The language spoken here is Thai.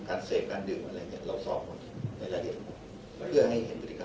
การเสพการดึงอะไรอย่างเงี้ยเราสอบหมดในระเทศทั้งหมดเพื่อให้เห็นกุฏิกรรม